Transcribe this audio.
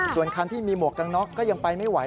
ส่วนคันที่มีหมวกกันน็อกก็ยังไปไม่ไหว